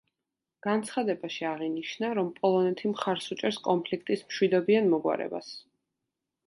განცხადებაში აღინიშნა, რომ პოლონეთი მხარს უჭერს კონფლიქტის მშვიდობიან მოგვარებას.